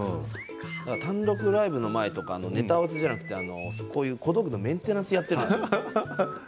単独ライブの前とかネタ合わせじゃなくて小道具のメンテナンスやってるんですよ。